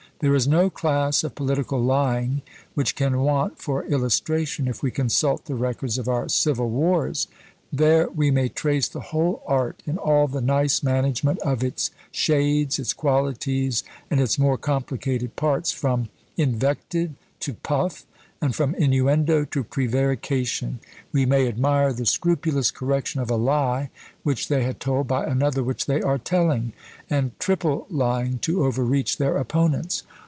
There is no class of political lying which can want for illustration if we consult the records of our civil wars; there we may trace the whole art in all the nice management of its shades, its qualities, and its more complicated parts, from invective to puff, and from inuendo to prevarication! we may admire the scrupulous correction of a lie which they had told, by another which they are telling! and triple lying to overreach their opponents.